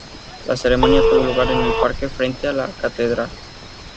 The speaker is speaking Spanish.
La ceremonia tuvo lugar en el parque frente a la Catedral.